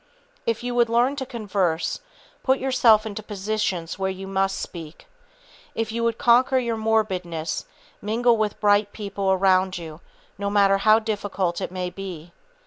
If you would learn to converse, put yourself into positions where you must speak. If you would conquer your morbidness, mingle with the bright people around you, no matter how difficult it may be.